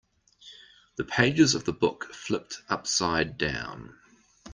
The pages of the book flipped upside down.